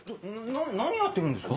な何やってるんですか。